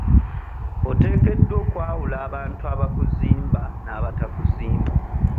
Oteekeddwa okwalu abantu abakuzimba n'abatakuzimba.